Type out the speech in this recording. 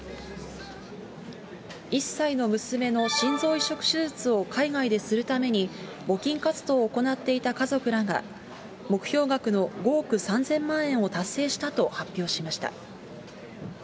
１歳の娘の心臓移植手術を海外でするために、募金活動を行っていた家族らが、目標額の５億３０００万円を達成したと発表しました。